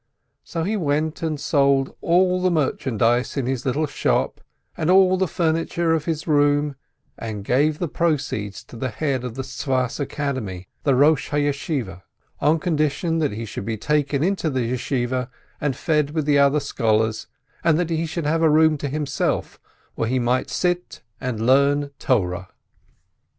So he went and sold all the merchandise in his little shop and all the furniture of his room, and gave the proceeds to the head of the Safed Academy, the Kosh ha Yeshiveh, on condition that he should be taken into the Yeshiveh and fed with the other scholars, and that he should have a room to himself, where he might sit and learn Torah.